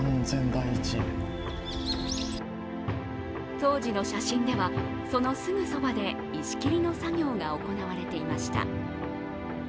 当時の写真では、そのすぐそばで石きりの作業が行われていました。